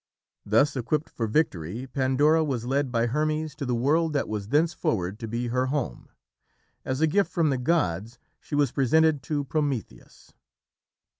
Thus equipped for victory, Pandora was led by Hermes to the world that was thenceforward to be her home. As a gift from the gods she was presented to Prometheus.